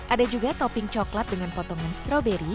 ada juga topping coklat dengan potongan stroberi